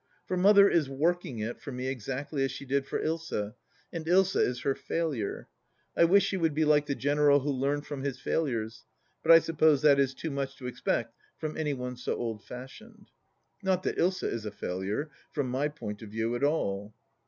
For Mother is " working it " for me exactly as she did for Ilsa, and Ilsa is her failure. I wish she would be like the general who learned from his failures, but I suppose that is too much to expect from any one so old fashioned. Not that Ilsa is a failure, from my point of view at all.